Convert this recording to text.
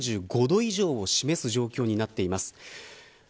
画面全体が３５度以上を示す状況になっています。